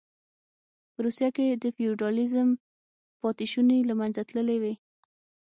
په روسیه کې د فیوډالېزم پاتې شوني له منځه تللې وې